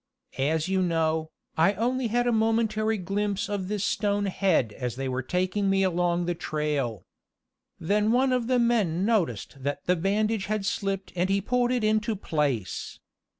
As you know, I only had a momentary glimpse of this stone head as they were taking me along the trail. Then one of the men noticed that the bandage had slipped and he pulled it into place.